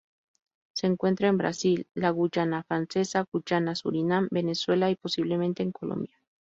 Se encuentra en Brasil, la Guayana Francesa, Guyana, Surinam, Venezuela y, posiblemente, en Colombia.